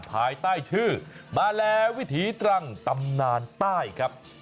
ภายใต้ชื่อมาแลวิถีตรังตำนานใต้ครับ